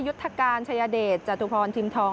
ยุทธการชายเดชจตุพรทิมทอง